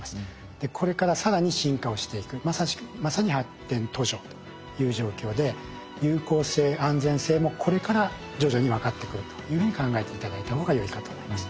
これから更に進化をしていくまさに発展途上という状況で有効性安全性もこれから徐々に分かってくるというふうに考えて頂いた方がよいかと思います。